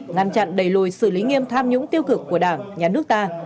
ngăn chặn đẩy lùi xử lý nghiêm tham nhũng tiêu cực của đảng nhà nước ta